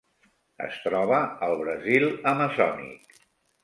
Es troba al Brasil amazònic.